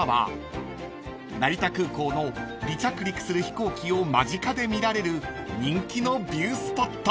［成田空港の離着陸する飛行機を間近で見られる人気のビュースポット］